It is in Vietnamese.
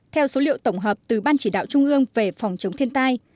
theo số liệu tổng hợp từ ban chỉ đạo trung ương về phòng chống thiên tai